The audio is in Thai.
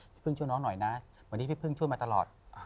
พี่พึ่งช่วยน้องหน่อยนะวันนี้พี่พึ่งช่วยมาตลอด